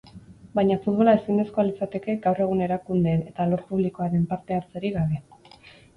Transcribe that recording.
Baina futbola ezinezkoa litzateke gaur egun erakundeen eta alor publikoaren parte hartzerik gabe.